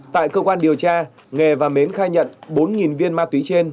tại cơ quan điều tra nghề và mến khai nhận bốn viên ma túy trên